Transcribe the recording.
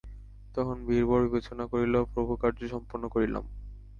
তখন বীরবর বিবেচনা করিল প্রভুকার্য সম্পন্ন করিলাম।